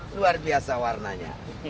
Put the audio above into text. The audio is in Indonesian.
luar biasa warnanya